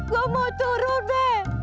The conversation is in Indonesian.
gua mau turun be